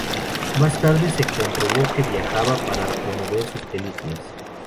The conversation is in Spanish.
Más tarde se comprobó que viajaba para promover sus películas.